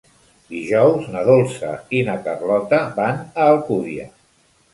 Dijous na Dolça i na Carlota van a Alcúdia.